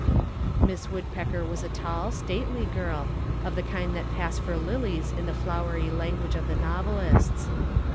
Miss Woodpecker was a tall stately girl, of the kind that pass for lilies in the flowery language of the novelists.